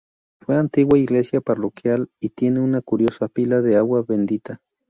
Fue antigua iglesia parroquial y tiene una curiosa pila de agua bendita.